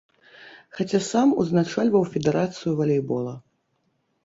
Хаця сам узначальваў федэрацыю валейбола.